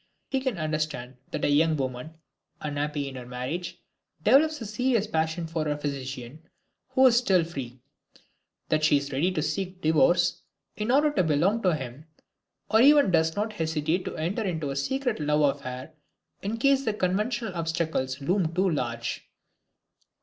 We can understand that a young woman, unhappy in her marriage, develops a serious passion for her physician, who is still free; that she is ready to seek divorce in order to belong to him, or even does not hesitate to enter into a secret love affair, in case the conventional obstacles loom too large.